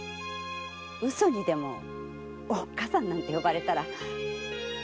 嘘にでも「おっかさん」なんて呼ばれたら。